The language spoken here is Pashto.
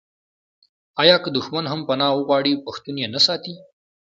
آیا که دښمن هم پنا وغواړي پښتون یې نه ساتي؟